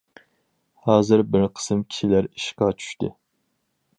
ھازىر بىر قىسىم كىشىلەر ئىشقا چۈشتى.